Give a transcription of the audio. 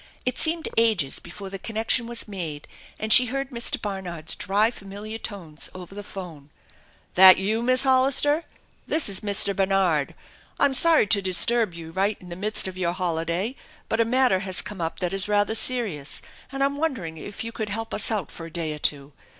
It seemed ages before the connection was made and she heard Mr. Barnard's dry familiar tones over the phone: " That you, Miss Hollister? This is Mr. Barnard. I'm 238 THE ENCHANTED BARN sorry to disturb you right in the midst of your holiday, but a matter has come up that is rather serious and I'm wondering if you could help us out for a day or two.